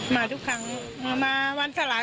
มาทุกครั้งมาวันสลาย